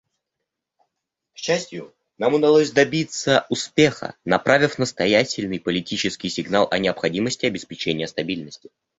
К счастью, нам удалось добиться успеха, направив настоятельный политический сигнал о необходимости обеспечения стабильности.